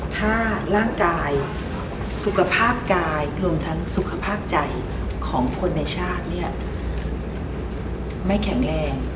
ถ้าร่างกายสุขภาพกายรวมทั้งสุขภาพใจของคนในชาติเนี่ยไม่แข็งแรง